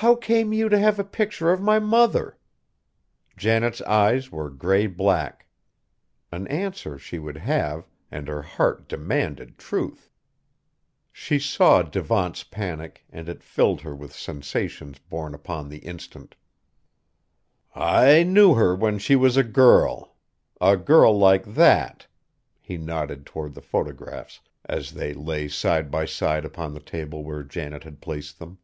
"How came you to have a picture of my mother?" Janet's eyes were gray black. An answer she would have, and her heart demanded truth. She saw Devant's panic and it filled her with sensations born upon the instant. "I knew her when she was a girl. A girl like that!" He nodded toward the photographs as they lay side by side upon the table where Janet had placed them.